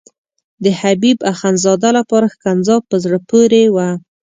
د حبیب اخندزاده لپاره ښکنځا په زړه پورې وه.